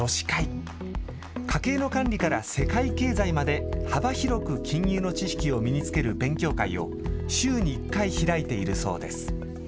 家計の管理から世界経済まで幅広く金融の知識を身につける勉強会を週に１回、開いているそうです。